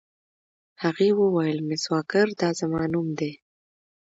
هغې وویل: مس واکر، دا زما نوم دی.